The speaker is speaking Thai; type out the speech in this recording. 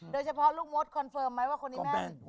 ลูกมดคอนเฟิร์มไหมว่าคนนี้แม่น